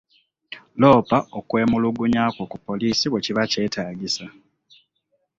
Loopa okwemulugunya kwo ku poliisi bwe kiba nga kyetagisa.